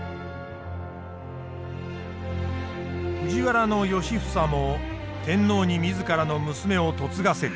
藤原良房も天皇に自らの娘を嫁がせる。